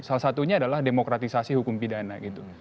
salah satunya adalah demokratisasi hukum pidana gitu